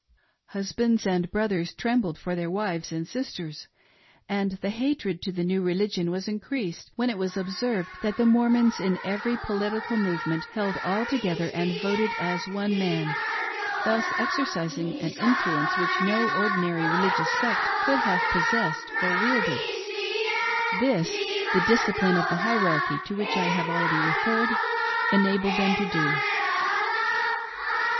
Husbands and brothers trembled for their wives and sisters, and the hatred to the new religion was increased when it was observed that the Mormons in every political movement held all together and voted as one man, thus exercising an influence which no , ordinary religious sect could have possessed or wielded ; this, the discipline of the hierarchy, to which I have already referred, enabled them to do.